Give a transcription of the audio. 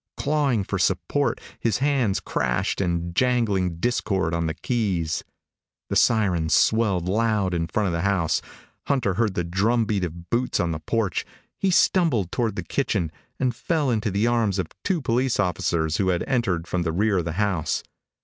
Clawing for support, his hands crashed in jangling discord on the keys. The siren swelled loud in front of the house. Hunter heard the drum beat of boots on the porch. He stumbled toward the kitchen and fell into the arms of two police officers who had entered from the rear of the house.